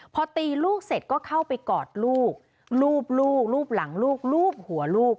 พอตีลูกเสร็จก็เข้าไปกอดลูกลูบลูกลูบหลังลูกลูบหัวลูก